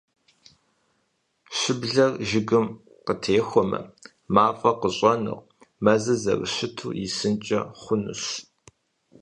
Щыблэр жыгым техуэмэ, мафӀэ къыщӏэнэу, мэзыр зэрыщыту исынкӏэ хъунущ.